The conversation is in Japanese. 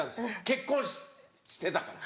結婚してたから。